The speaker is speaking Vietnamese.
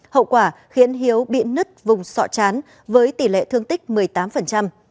hậu quả khiến hiếu bị nứt vùng sọ chán với tỷ lệ thương tích một mươi tám